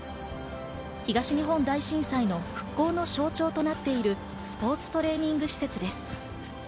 東日本大震災の復興の象徴となっている、スポーツトレーニング施設です。